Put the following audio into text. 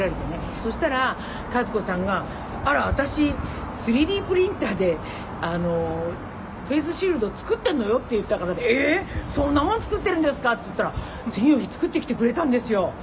「そしたらかず子さんが“あら私３Ｄプリンターでフェースシールド作ってるのよ”って言ったから“ええー！そんなもん作ってるんですか？”って言ったら次の日作ってきてくれたんですよ」